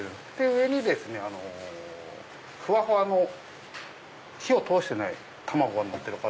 上にですねふわふわの火を通してない卵がのってる形。